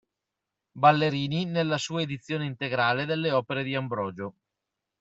Ballerini nella sua edizione integrale delle opere di Ambrogio.